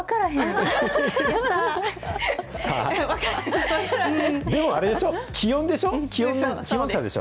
でもあれでしょ、気温でしょ？